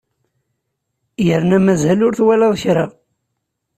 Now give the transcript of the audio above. Yerna mazal ur twalaḍ kra!